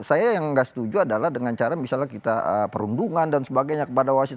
saya yang nggak setuju adalah dengan cara misalnya kita perundungan dan sebagainya kepada wasit